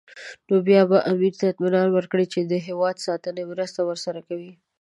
نو بیا به امیر ته اطمینان ورکړي چې د هېواد ساتنې مرسته ورسره کوي.